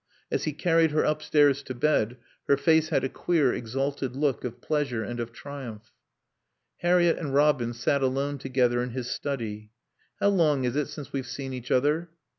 As he carried her upstairs to bed her face had a queer, exalted look of pleasure and of triumph. Harriett and Robin sat alone together in his study. "How long is it since we've seen each other?"